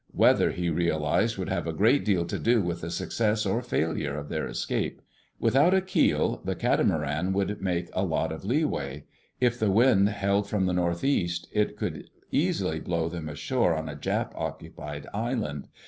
Weather, he realized, would have a great deal to do with the success or failure of their escape. Without a keel the catamaran would make a lot of leeway. If the wind held from the northeast, it could easily blow them ashore on a Jap occupied island.